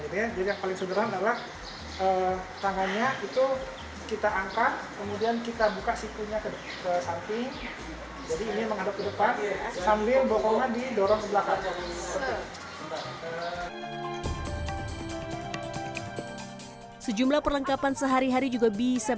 ya biasanya kalau dalam kondisi seperti ini kita yang dikeluk agak susah bergerak ya